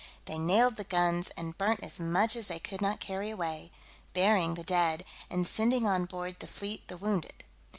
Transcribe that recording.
They nailed the guns, and burnt as much as they could not carry away, burying the dead, and sending on board the fleet the wounded.